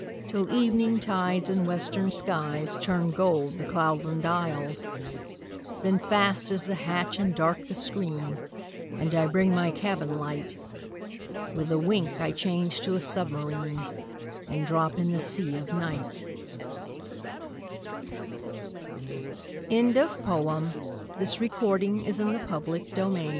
Till evening tides in western skies Turn gold the cloudland isles; Then fast is the hatch and dark the screen. And I bring my cabin light; With a wink I change to a submarine And drop in the sea of Night, WAR IN THE NORTH Not from Mars and not from Thor Com